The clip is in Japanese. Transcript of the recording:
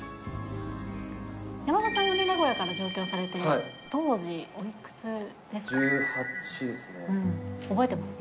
山田さんは名古屋から上京されて、当時おいくつですか。